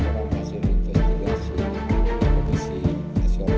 pemerintah yang berangkasium